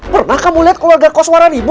pernah kamu lihat keluarga koswaran ibu